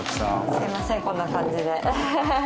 すいませんこんな感じで。